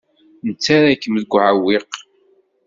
Nettarra-kem deg uɛewwiq.